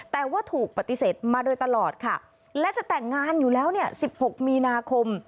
แต่ว่าถูกปฏิเสธมาโดยตลอดค่ะและจะแต่งงานอยู่แล้วเนี่ย๑๖มีนาคม